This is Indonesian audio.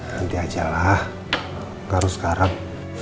nanti ajalah ga harus sekarang